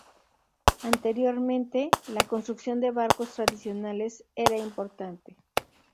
Anteriormente, la construcción de barcos tradicionales era importante.